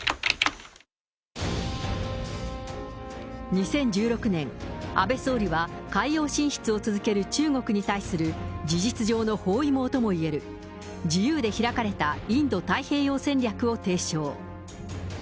２０１６年、安倍総理は海洋進出を続ける中国に対する事実上の包囲網ともいえる、自由で開かれたインド太平洋戦略を提唱。